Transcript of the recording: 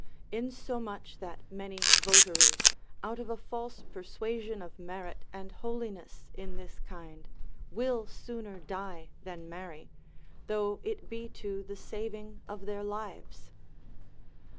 Insomuch that many votaries, out of a false persuasion of merit and holiness in this kind, will sooner die than marry, though it be to the saving of their lives.